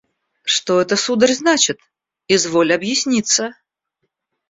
– Что это, сударь, значит? Изволь объясниться.